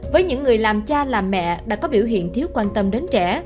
với những người làm cha làm mẹ đã có biểu hiện thiếu quan tâm đến trẻ